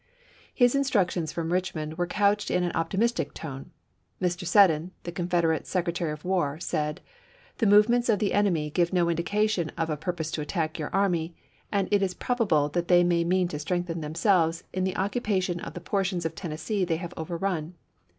His instructions from Richmond were couched in an optimistic tone. Mr. Seddon, the Confederate Sec retary of War, said :" The movements of the enemy give no indication of a purpose to attack your army, and it is probable that they may mean to strengthen GRANT GENERAL IN CHIEF 327 themselves in the occupation of the portions of ch. xm. Tennessee they have overrun.